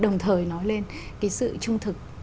đồng thời nói lên cái sự trung thực